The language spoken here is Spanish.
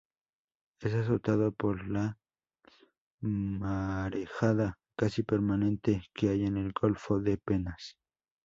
Es azotado por la marejada casi permanente que hay en el golfo de Penas.